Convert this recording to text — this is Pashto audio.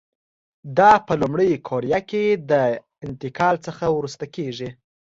دا په لومړۍ قوریه کې له انتقال څخه وروسته کېږي.